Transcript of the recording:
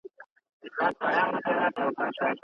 د دومره شنو شېخانو د هجوم سره په خوا کې